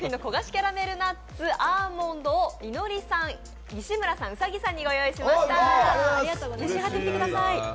キャラメルナッツアーモンドをいのりさん、西村さん、兎さんにご用意しました。